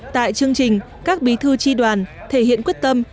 tại chương trình các bí thư tri đoàn thể hiện quyết tâm